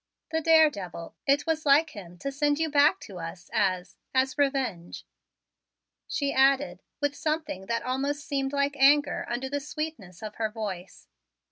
"The daredevil it was like him to send you back to us as as revenge," she added with something that almost seemed like anger under the sweetness of her voice.